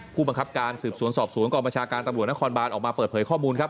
ผู้บังคับการสืบสวนสอบสวนกองบัญชาการตำรวจนครบานออกมาเปิดเผยข้อมูลครับ